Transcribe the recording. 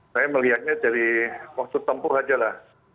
saya melihatnya dari waktu tempuh aja lah